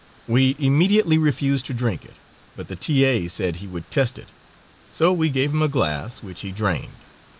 We immediately refused to drink it; but the T. A. said he would test it, so we gave him a glass, which he drained.